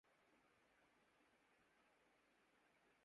جنت ہے تیری تیغ کے کشتوں کی منتظر